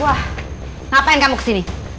wah ngapain kamu ke sini